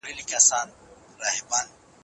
چې بلاک به دې